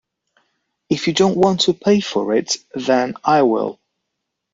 If you don't want to pay for it then I will.